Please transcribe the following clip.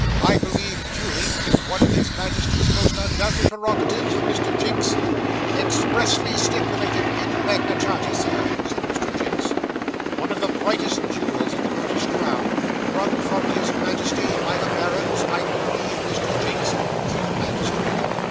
I believe duelling is one of his Majesty's most undoubted prerogatives, Mr. Jinks?' 'Expressly stipulated in Magna Charta, sir,' said Mr. Jinks. 'One of the brightest jewels in the British crown, wrung from his Majesty by the barons, I believe, Mr. Jinks?' said the magistrate.